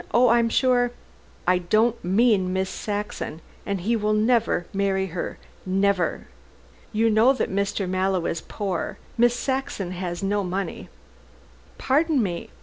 Oh, I am sure " "I don't mean Miss Saxon, and he will never marry her never. You know that Mr. Mallow is poor. Miss Saxon has no money " "Pardon me.